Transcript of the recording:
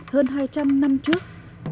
hơn hai trăm linh năm trước